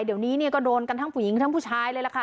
เดี๋ยวนี้เนี่ยก็โดนกันทั้งผู้หญิงทั้งผู้ชายเลยล่ะค่ะ